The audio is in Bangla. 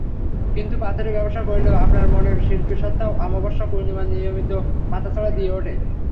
কিন্তু পাথরের ব্যবসা করলেও আপনার মনের শিল্পীসত্তা অমাবস্যা-পূর্ণিমায় নিয়মিত মাথাচাড়া দিয়ে ওঠে।